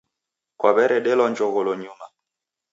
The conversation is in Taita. Kwaw'eredelwa njogholo nyuma.